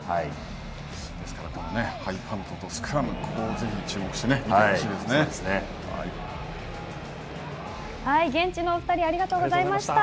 ですから、ハイパントとスクラム、ここをぜひ注目して、見てほ現地のお２人ありがとうございました。